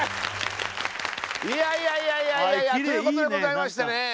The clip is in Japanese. いやいやいやいやということでございましてね